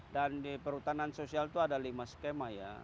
dan di perhutanan sosial itu ada lima skema ya